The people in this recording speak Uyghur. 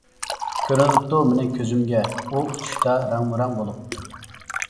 كۆرۈنۈپتۇ مېنىڭ كۆزۈمگە، ئۇ ئۇچۇشتا رەڭمۇرەڭ بولۇپ.